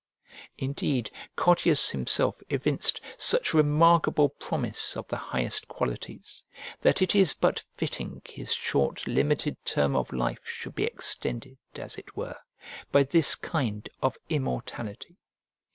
Indeed Cottius himself evinced such remarkable promise of the highest qualities that it is but fitting his short limited term of life should be extended, as it were, by this kind of immortality.